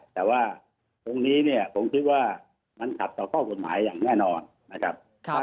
แต่ว่าตรงนี้เนี่ยผมคิดว่ามันขัดต่อข้อกฎหมายอย่างแน่นอนนะครับ